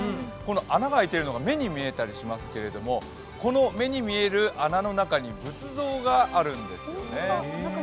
穴が空いているのが目に見えたりしますけれども、この目に見える穴の中に仏像があるんですよね。